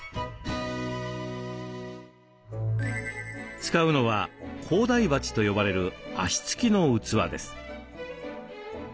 使うのは高台鉢と呼ばれる脚付きの器です。